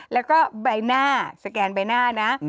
แล้วก็ใบหน้าสแกนใบหน้านะ